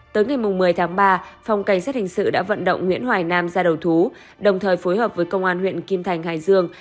tới ngày một mươi tháng ba phòng cảnh sát hình sự đã vận động nguyễn hoài nam ra đầu thú đồng thời phối hợp với công an huyện kim thành hải dương